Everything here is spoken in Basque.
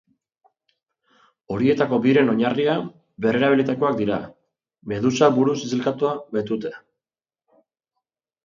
Horietako biren oinarria berrerabilitakoak dira, Medusa buru zizelkatua baitute.